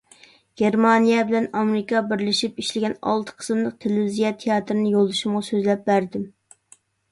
گېرمانىيە بىلەن ئامېرىكا بىرلىشىپ ئىشلىگەن ئالتە قىسىملىق تېلېۋىزىيە تىياتىرىنى يولدىشىمغا سۆزلەپ بەردىم.